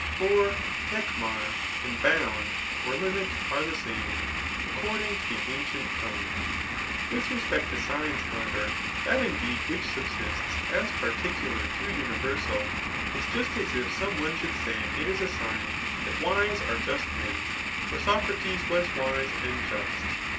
For iSdhMr, and bounds or Smiif are the same, according to the ancient tongneb With respect to signs, however, that indeed which sub* sitts as particular to universal, is just as if some mm should say it is a ^;tt that^mae are just men; &rSociaiea was wise and just.